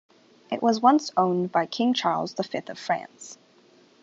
It was once owned by King Charles the Fifth of France.